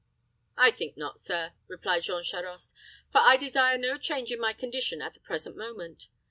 "I think not, sir," replied Jean Charost; "for I desire no change in my condition at the present moment.